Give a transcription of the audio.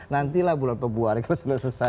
nantilah bulan pebuar itu sudah selesai